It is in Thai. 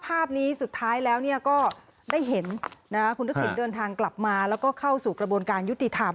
ภาพนี้สุดท้ายแล้วก็ได้เห็นคุณทักษิณเดินทางกลับมาแล้วก็เข้าสู่กระบวนการยุติธรรม